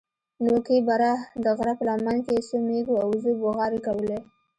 نوكي بره د غره په لمن کښې څو مېږو او وزو بوغارې کولې.